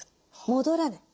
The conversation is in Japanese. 戻らない。